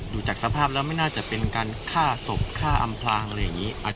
ดูจากสภาพแล้วไม่น่าจะเป็นการฆ่าศพฆ่าอำพลางอะไรอย่างนี้